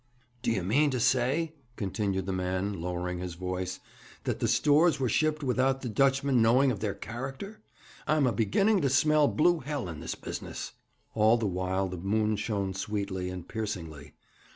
'D'ye mean to say,' continued the man, lowering his voice, 'that the stores were shipped without the Dutchman knowing of their character? I'm a beginning to smell blue hell in this business.' All this while the moon shone sweetly and piercingly.